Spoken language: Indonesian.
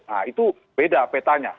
nah itu beda petanya